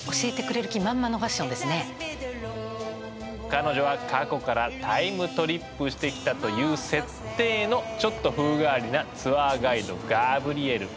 彼女は過去からタイムトリップしてきたという設定のちょっと風変わりなツアーガイドガブリエル。